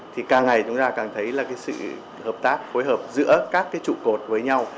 thì càng ngày chúng ta càng thấy là sự hợp tác phối hợp giữa các trụ cột với nhau